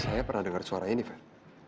saya pernah dengar suara ini fer